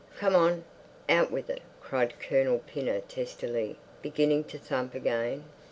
"Come on, out with it!" cried Colonel Pinner testily, beginning to thump again.